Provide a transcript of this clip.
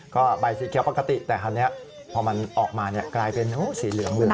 ก็ใบสีเขียวปกติแต่คราวนี้พอมันออกมากลายเป็นสีเหลืองเลย